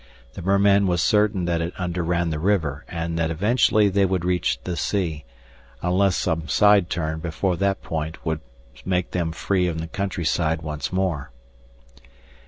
The merman was certain that it underran the river and that eventually they would reach the sea unless some side turn before that point would make them free in the countryside once more.